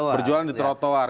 berjualan di trotoar